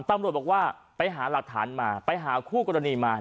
ตำรวจบอกว่าไปหาหลักฐานมาไปหาคู่กรณีมา